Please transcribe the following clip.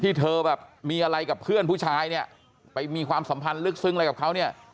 เธอแบบมีอะไรกับเพื่อนผู้ชายเนี่ยไปมีความสัมพันธ์ลึกซึ้งอะไรกับเขาเนี่ย